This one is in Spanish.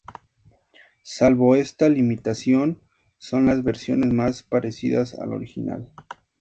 Salvo esta limitación son las versiones más parecidas al original.